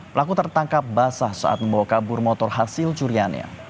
pelaku tertangkap basah saat membawa kabur motor hasil curiannya